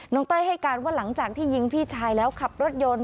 เต้ยให้การว่าหลังจากที่ยิงพี่ชายแล้วขับรถยนต์